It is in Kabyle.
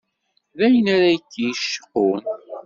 D ayen ara k-yecqun?